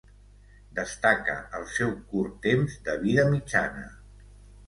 Destaca el seu curt temps de vida mitjana.